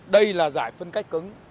đây là giải phân cách cứng